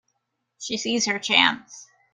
She sees her chance.